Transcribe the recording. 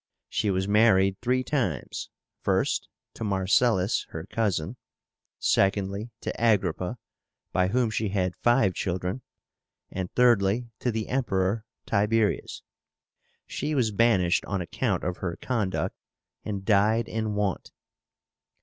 She was married three times; first, to Marcellus, her cousin; secondly, to Agrippa, by whom she had five children; and thirdly, to the Emperor Tiberius. She was banished on account of her conduct, and died in want.